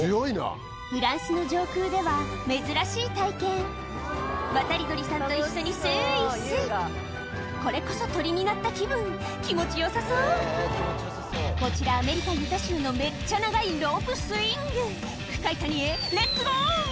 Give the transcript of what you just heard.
フランスの上空では珍しい体験渡り鳥さんと一緒にスイスイこれこそ鳥になった気分気持ちよさそうこちらアメリカユタ州のめっちゃ長いロープスイング深い谷へレッツゴー！